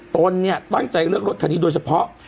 ตนเนี่ยตั้งใจเลือกรถคันนี้โดยเฉพาะ